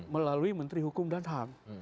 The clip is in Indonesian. melalui menteri hukum dan ham